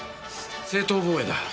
正当防衛だ。